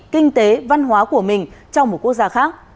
kinh tế văn hóa của mình trong một quốc gia khác